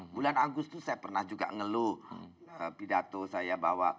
bulan agustus saya pernah juga ngeluh pidato saya bahwa